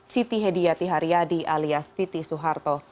siti hedi yati haryadi alias titi suharto